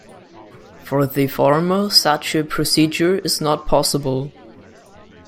For the former, such a procedure is not possible.